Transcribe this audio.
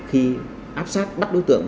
khi áp sát bắt đối tượng